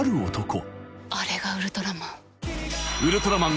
あれがウルトラマン。